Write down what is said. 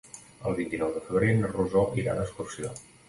El vint-i-nou de febrer na Rosó irà d'excursió.